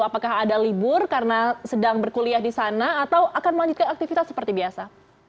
apakah ada libur karena sedang berkuliah di sana atau akan melanjutkan aktivitas seperti biasa